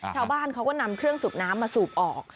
ชาวบ้านเขาก็นำเครื่องสูบน้ำมาสูบออก